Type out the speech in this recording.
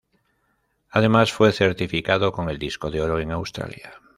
Además fue certificado con el disco de oro en Australia.